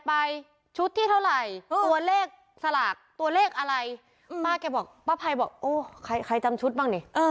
ป้าไพบอกโอ้ใครจำชุดบ้าง